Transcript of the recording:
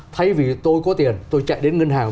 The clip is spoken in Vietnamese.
thay vì tôi có tiền tôi chạy đến ngân hàng